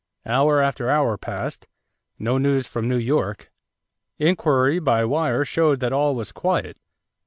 Hour after hour passed; no news from New York. Inquiry by wire showed that all was quiet.